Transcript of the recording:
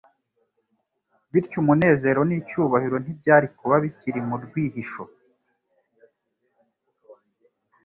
Bityo umunezero n'icyubahiro ntibyari kuba bikiri mu rwihisho